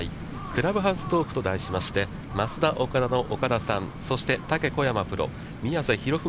クラブハウストークと題しましてますだおかだの岡田さん、そして、タケ小山プロ、宮瀬博文